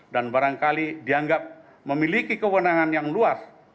dan barangkali dianggap memiliki kewenangan yang luas